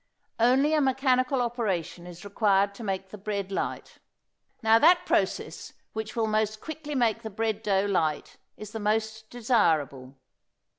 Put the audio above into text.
Only a mechanical operation is required to make the bread light. Now that process which will most quickly make the bread dough light is the most desirable.